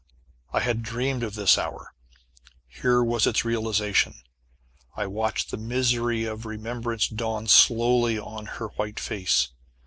I had dreamed of this hour. Here was its realization. I watched the misery of remembrance dawn slowly on her white face.